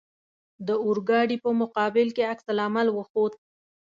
د اورګاډي په مقابل کې عکس العمل وښود.